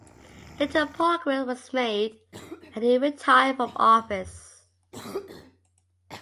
Little progress was made, and he retired from office.